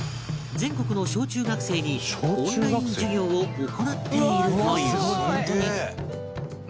全国の小中学生にオンライン授業を行っているという